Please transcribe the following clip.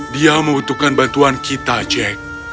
dia membutuhkan bantuan kita jack